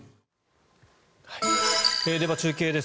では、中継です。